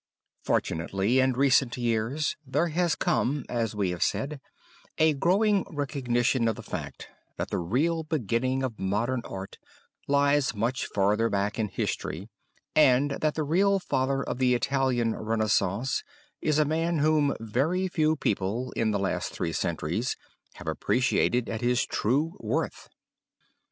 Fortunately in recent years there has come, as we have said, a growing recognition of the fact that the real beginning of modern art lies much farther back in history, and that the real father of the Italian Renaissance is a man whom very few people in the last three centuries have appreciated at his true worth.